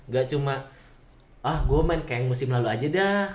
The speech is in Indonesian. gak cuma ah gue main kayak musim lalu aja dah